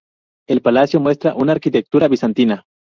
El palacio muestra una arquitectura bizantina.